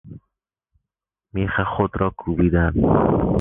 میخ خود را کوبیدن